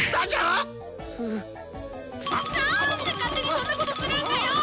なぁんで勝手にそんなことするんだよぉ！